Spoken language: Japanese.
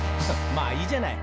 「まあいいじゃない」